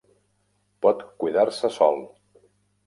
Pot cuidar-se sol.